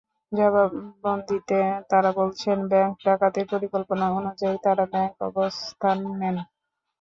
জবানবন্দিতে তাঁরা বলেছেন, ব্যাংক ডাকাতির পরিকল্পনা অনুযায়ী তাঁরা ব্যাংকে অবস্থান নেন।